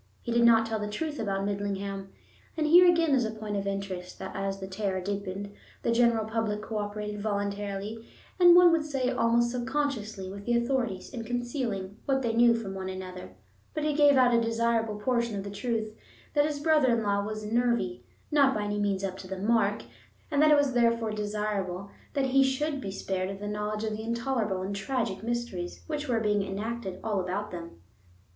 He did not tell the truth about Midlingham—and here again is a point of interest, that as the terror deepened the general public cooperated voluntarily, and, one would say, almost subconsciously, with the authorities in concealing what they knew from one another—but he gave out a desirable portion of the truth: that his brother in law was "nervy," not by any means up to the mark, and that it was therefore desirable that he should be spared the knowledge of the intolerable and tragic mysteries which were being enacted all about them.